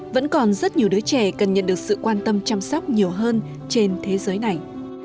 vẫn còn rất nhiều đứa trẻ cần nhận được sự quan tâm chăm sóc nhiều hơn trên thế giới này